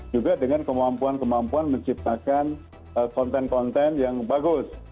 juga dengan kemampuan kemampuan menciptakan konten konten yang bagus